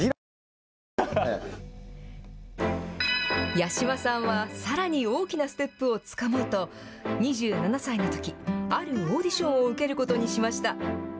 八嶋さんはさらに大きなステップをつかもうと、２７歳のとき、あるオーディションを受けることにしました。